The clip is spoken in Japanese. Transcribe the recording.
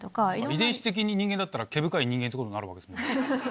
遺伝子的に人間だったら。ってことになるわけですもんね？